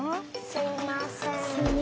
すみません。